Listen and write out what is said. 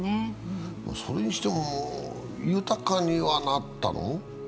それにしても豊かにはなったの？